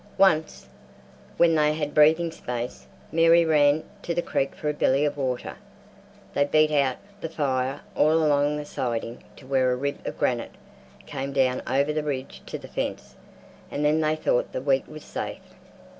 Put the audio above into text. Once, when they had breathing space, Mary ran to the creek for a billy of water. They beat out the fire all along the siding to where a rib of granite came down over the ridge to the fence, and then they thought the wheat was safe.